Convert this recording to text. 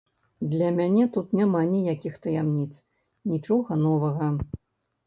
Для мяне тут няма ніякіх таямніц, нічога новага.